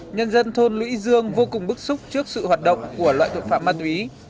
nhân dân thôn mỹ dương vô cùng bức xúc trước sự hoạt động của loại tội phạm ma túy